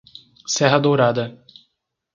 Serra Dourada